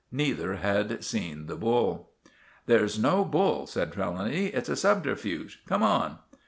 Neither had seen the bull. "There's no bull!" said Trelawny. "It's a subterfuge. Come on."